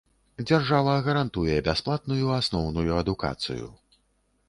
Дзяржава гарантуе бясплатную асноўную адукацыю.